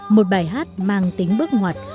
một bài hát mang tính bước ngoặt